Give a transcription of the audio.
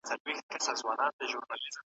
په ناحقه د بل مال مه خورئ.